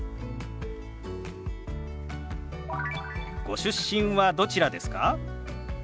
ご出身はどちらですか？